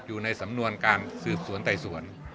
อยู่ในสำนวนการสืบสวนไต่สวน